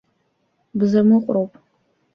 Бзамыҟәроуп.